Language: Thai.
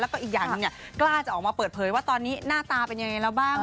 แล้วก็อีกอย่างหนึ่งกล้าจะออกมาเปิดเผยว่าตอนนี้หน้าตาเป็นยังไงแล้วบ้าง